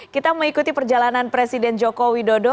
kita mengikuti perjalanan presiden jokowi dodo